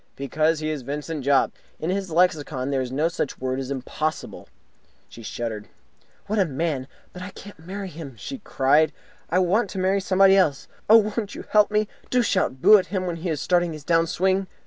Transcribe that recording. "Because he is Vincent Jopp! In his lexicon there is no such word as impossible." She shuddered. "What a man! But I can't marry him," she cried. "I want to marry somebody else. Oh, won't you help me? Do shout 'Boo!' at him when he is starting his down swing!"